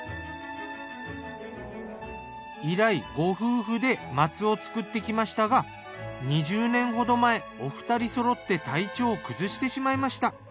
以来ご夫婦で松を作ってきましたが２０年ほど前お二人そろって体調を崩してしまいました。